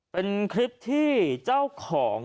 เป็นคลิปที่เจ้าของ